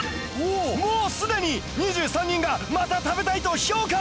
もうすでに２３人が「また食べたい」と評価！